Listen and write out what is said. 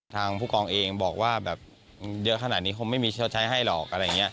ทางผู้กองเองบอกว่าเยอะขนาดนี้คงไม่มีชาวใช้ให้หรอก